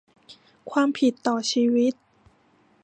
ความผิดต่อชีวิต